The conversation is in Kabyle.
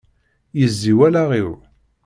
Yezzi wallaɣ-iw.